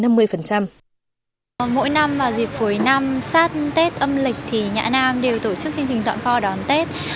mỗi năm vào dịp cuối năm sát tết âm lịch thì nhã nam đều tổ chức chương trình chọn kho đón tết